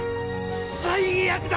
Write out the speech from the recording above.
最悪だ！